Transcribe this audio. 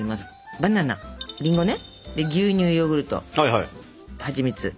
バナナりんごね牛乳ヨーグルトはちみつ。